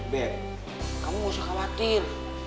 bebe kamu gak usah khawatir